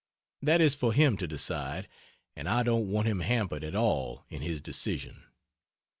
That is for him to decide and I don't want him hampered at all in his decision.